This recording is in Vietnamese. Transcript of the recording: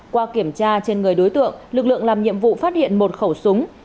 qua kiểm tra trên người đối tượng lực lượng làm nhiệm vụ phát hiện một khẩu súng